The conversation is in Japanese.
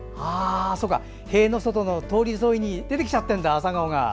塀の外の通り沿いに出てきちゃってるんだ、朝顔が。